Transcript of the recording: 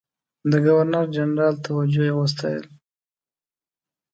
د ګورنرجنرال توجه یې وستایل.